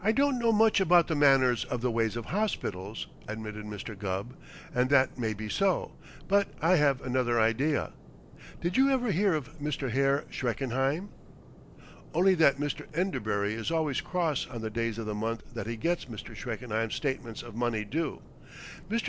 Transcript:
"I don't know much about the manners of the ways of hospitals," admitted Mr. Gubb, "and that may be so, but I have another idea. Did you ever hear of Mr. Herr Schreckenheim?" "Only that Mr. Enderbury is always cross on the days of the month that he gets Mr. Schreckenheim's statements of money due. Mr.